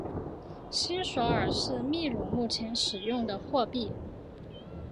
新索尔是秘鲁目前使用的货币。